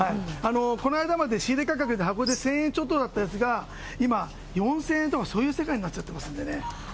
この間まで仕入れ価格で箱で１０００円ちょっとだったやつが、今、４０００円とかそういう世界になっちゃってますからね。